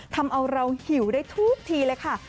ทำเอาเราหิวได้ทุกทีเลยค่ะ